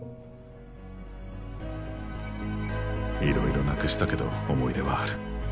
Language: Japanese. いろいろなくしたけど思い出はある。